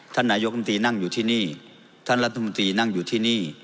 นายกรรมตรีนั่งอยู่ที่นี่ท่านรัฐมนตรีนั่งอยู่ที่นี่